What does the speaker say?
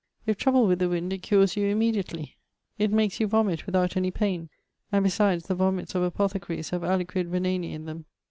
If troubled with the wind it cures you immediately. It makes you vomit without any paine, and besides, the vomits of apothecaries have aliquid veneni in them.